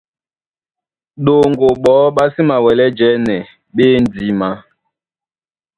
Ɗoŋgo ɓɔɔ́ ɓá sí mawɛlɛ́ jɛ́nɛ, ɓá e ndímá.